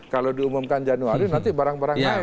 kalau diumumkan januari nanti barang barang naik